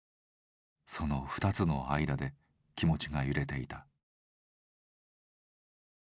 その２つの間で気持ちが揺れていた。